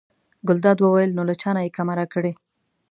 ګلداد وویل: نو له چا نه یې کمه راکړې.